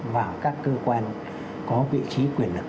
vào các cơ quan có vị trí quyền lực